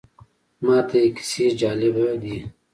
ماته یې کیسې جالبه دي.